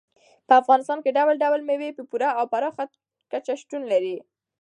په افغانستان کې ډول ډول مېوې په پوره او پراخه کچه شتون لري.